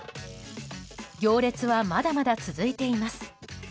行列はまだまだ続いています。